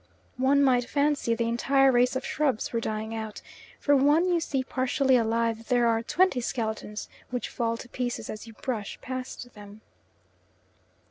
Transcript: One might fancy the entire race of shrubs was dying out; for one you see partially alive there are twenty skeletons which fall to pieces as you brush past them.